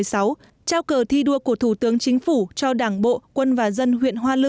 trao cờ thi đua của thủ tướng chính phủ cho đảng bộ quân và dân huyện hoa lư